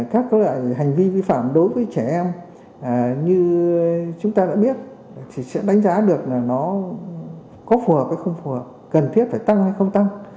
các loại hành vi vi phạm đối với trẻ em như chúng ta đã biết thì sẽ đánh giá được là nó có phù hợp hay không phù hợp cần thiết phải tăng hay không tăng